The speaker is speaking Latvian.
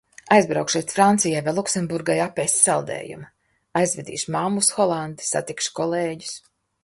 Aizbraukšu līdz Francijai vai Luksemburgai apēst saldējumu. Aizvedīšu mammu uz Holandi. Satikšu kolēģus.